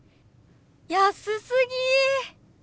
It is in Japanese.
安すぎ！